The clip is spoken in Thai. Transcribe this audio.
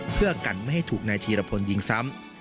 เพื่อกันไม่ให้ถูกนายธีรพลยิงซ้ำ